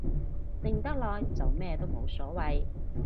靜得耐就咩都冇所謂